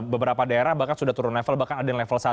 beberapa daerah bahkan sudah turun level bahkan ada yang level satu